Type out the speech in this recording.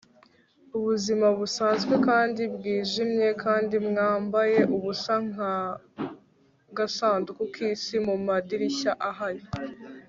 Ubuzima busanzwe kandi bwijimye kandi bwambaye ubusa nkagasanduku kisi mumadirishya ahari